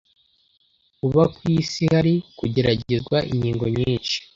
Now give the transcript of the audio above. Kuba ku isi hari kugeragezwa inkingo nyinshi,